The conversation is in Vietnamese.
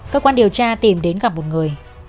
cơ quan điều tra tìm đến gặp một người